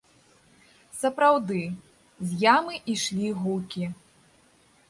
Сапраўды, з ямы ішлі гукі.